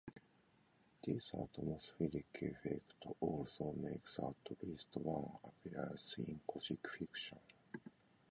This atmospheric effect also makes at least one appearance in Gothic fiction.